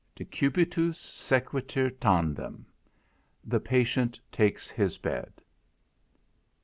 DECUBITUS SEQUITUR TANDEM. _The patient takes his bed.